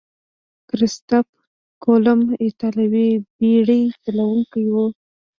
کرستف کولمب ایتالوي بیړۍ چلوونکی وو.